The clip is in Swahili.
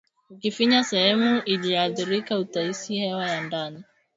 Ukifinya sehemu iliyoathirika utahisi hewa ya ndani